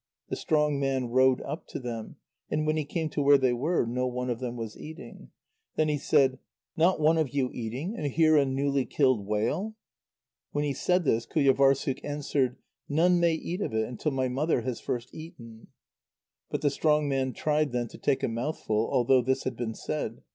The strong man rowed up to them, and when he came to where they were, no one of them was eating. Then he said: "Not one of you eating, and here a newly killed whale?" When he said this, Qujâvârssuk answered: "None may eat of it until my mother has first eaten." But the strong man tried then to take a mouthful, although this had been said.